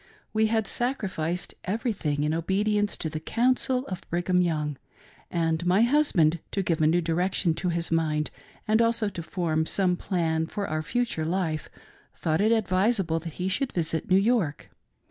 We had sacrificed everything in obedience to the "counsel" of Brigham Young ; and my husband, to give a new direction to his mindj and also to form some plan for our future life, thought it advisable that he should visit New York.